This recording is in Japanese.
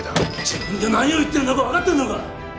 自分が何を言っているのかわかってるのか！？